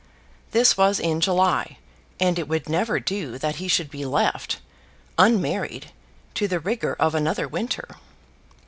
This was in July, and it would never do that he should be left, unmarried, to the rigour of another winter.